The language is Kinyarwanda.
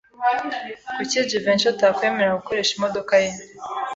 Kuki Jivency atakwemerera gukoresha imodoka ye?